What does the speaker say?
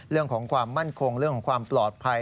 เรื่องของความมั่นคงเรื่องของความปลอดภัย